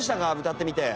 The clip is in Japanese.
歌ってみて。